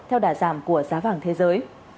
theo đả giảm của giá vàng thế giới